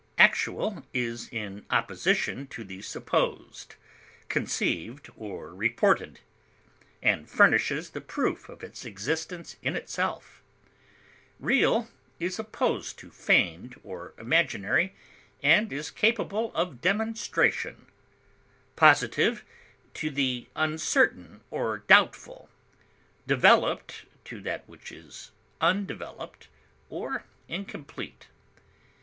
Actual is in opposition to the supposed, conceived, or reported, and furnishes the proof of its existence in itself; real is opposed to feigned or imaginary, and is capable of demonstration; positive, to the uncertain or doubtful; developed, to that which is undeveloped or incomplete.